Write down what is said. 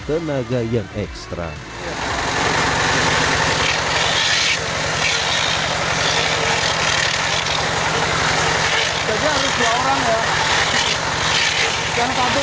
tenaga yang ekstra ya hai saja harusnya orang ya kan kabel